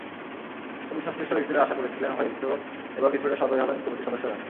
ছবিসংশ্লিষ্ট ব্যক্তিরা আশা করেছিলেন, হয়তো এবার কিছুটা সদয় হবেন কমিটির সদস্যরা।